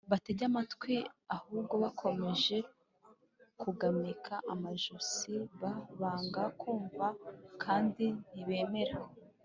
batege amatwi a ahubwo bakomeje kugamika amajosi b banga kumva kandi ntibemera